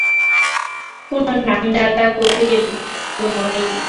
কোনো নামজাদা কবির তো নয়ই।